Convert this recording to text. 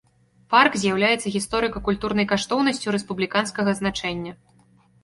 Парк з'яўляецца гісторыка-культурнай каштоўнасцю рэспубліканскага значэння.